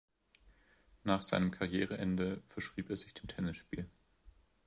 Nach seinem Karriereende verschrieb er sich dem Tennisspiel.